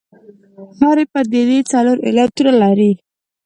هرې پدیدې څلور علتونه لري.